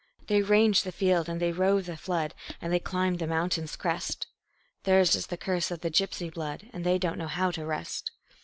They range the field and they rove the flood, And they climb the mountain's crest; Theirs is the curse of the gypsy blood, And they don't know how to rest.